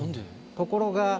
ところが。